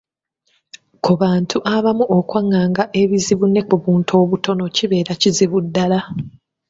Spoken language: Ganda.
Ku bantu abamu okwanganga ebizibu ne ku buntu obutono kibeera kizibu ddala.